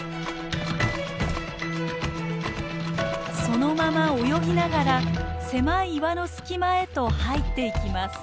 そのまま泳ぎながら狭い岩の隙間へと入っていきます。